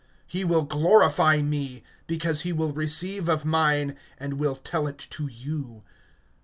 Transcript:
(14)He will glorify me; because he will receive of mine, and will tell it to you.